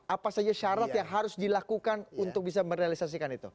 apa saja syarat yang harus dilakukan untuk bisa merealisasikan itu